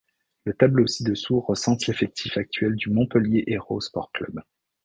Le tableau ci-dessous recense l'effectif actuel du Montpellier Hérault Sport Club.